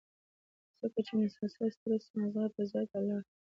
ځکه چې مسلسل سټرېس مازغۀ پۀ زيات الرټ